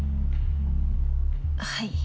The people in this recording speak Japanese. はい。